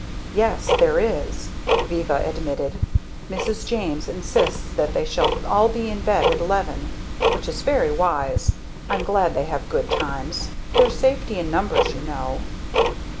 "Yes, there is," Viva admitted. "Mrs. James insists that they shall all be in bed at eleven which is very wise. I'm glad they have good times there's safety in numbers, you know."